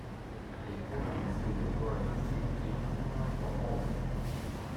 A program receiving a query string can ignore part or all of it.